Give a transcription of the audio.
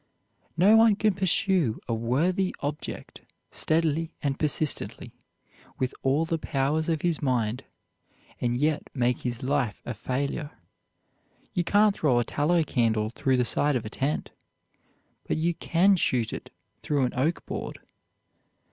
No one can pursue a worthy object steadily and persistently with all the powers of his mind, and yet make his life a failure. You can't throw a tallow candle through the side of a tent, but you can shoot it through an oak board.